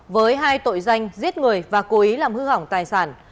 với hai tội danh giết người và cố ý làm hư hỏng tài sản